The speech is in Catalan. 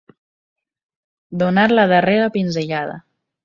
Donar la darrera pinzellada.